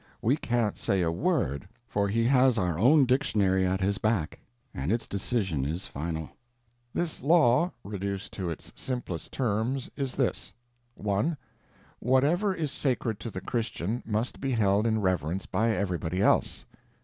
We can't say a word, for he has our own dictionary at his back, and its decision is final. This law, reduced to its simplest terms, is this: 1. Whatever is sacred to the Christian must be held in reverence by everybody else; 2.